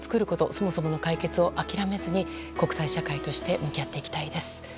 そもそもの解決を諦めずに国際社会として向き合っていきたいです。